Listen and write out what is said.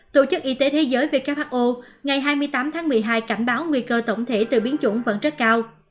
tổ chức y tế thế giới who ngày hai mươi tám tháng một mươi hai cảnh báo nguy cơ tổng thể từ biến chủng vẫn rất cao